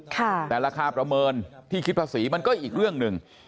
แต่ราคาประเมินที่คิดภาษีมันก็อีกเรื่องหนึ่ง